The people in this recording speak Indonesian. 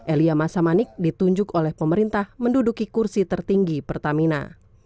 elia masamanik ditunjuk oleh pemerintah menduduki kursi tertinggi pertamina